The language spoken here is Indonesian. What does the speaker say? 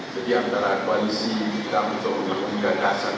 jadi antara koalisi kita untuk membangun ide dan kekasan